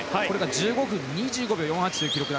１５分２５秒４８という記録。